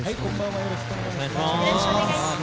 よろしくお願いします。